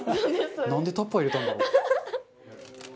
なんでタッパーに入れたんだろう？